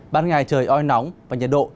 ban ngày trời oi nóng và nhiệt độ